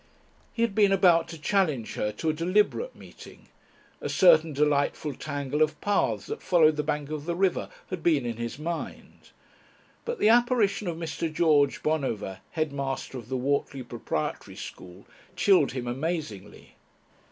He had been about to challenge her to a deliberate meeting. A certain delightful tangle of paths that followed the bank of the river had been in his mind. But the apparition of Mr. George Bonover, headmaster of the Whortley Proprietary School, chilled him amazingly.